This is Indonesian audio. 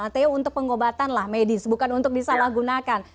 hto untuk pengobatan lah medis bukan untuk disalahgunakan